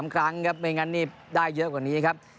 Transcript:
๓ครั้งครับไม่งั้นนี่ได้เยอะกว่านี้ครับ